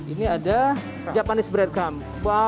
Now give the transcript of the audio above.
ini ada japanese breadcrumbs